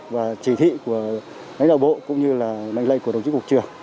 và chỉ thị của lãnh đạo bộ cũng như là mệnh lệnh của đồng chí cục trưởng